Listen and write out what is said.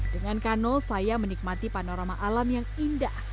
dengan kano saya menikmati panorama alam yang indah